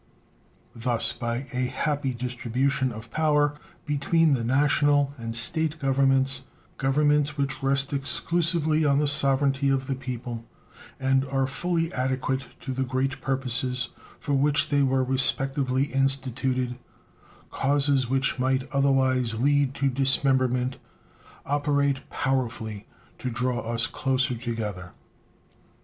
Thus by a happy distribution of power between the National and State Governments, Governments which rest exclusively on the sovereignty of the people and are fully adequate to the great purposes for which they were respectively instituted, causes which might otherwise lead to dismemberment operate powerfully to draw us closer together.